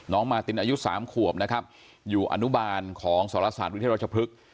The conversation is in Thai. มาตินอายุ๓ขวบนะครับอยู่อนุบาลของสรศาสตวิทยารัชพฤกษ์